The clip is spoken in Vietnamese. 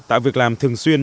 tạo việc làm thường xuyên